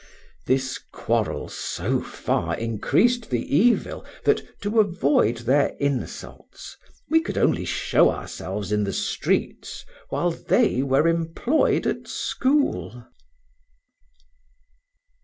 This quarrel so far increased the evil, that, to avoid their insults, we could only show ourselves in the streets while they were employed at school.